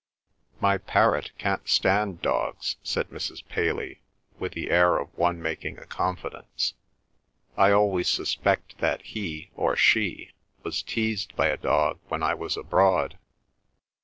"My parrot can't stand dogs," said Mrs. Paley, with the air of one making a confidence. "I always suspect that he (or she) was teased by a dog when I was abroad."